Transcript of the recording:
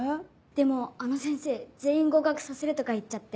でもあの先生「全員合格させる」とか言っちゃって。